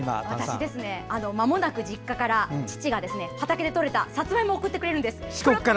私、まもなく実家から、父が畑でとれたさつまいもを送ってくれるんです。